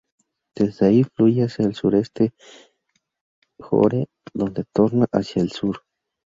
Desde ahí, fluye hacia el sureste hasta Gore, donde torna hacia el sur.